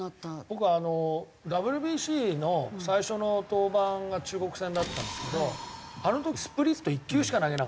僕あのＷＢＣの最初の登板が中国戦だったんですけどあの時スプリット１球しか投げなかったんですよ。